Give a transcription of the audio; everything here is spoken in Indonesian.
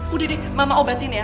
udah deh mama obatin ya